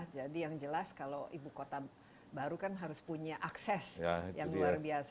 jadi yang jelas kalau ibu kota baru kan harus punya akses yang luar biasa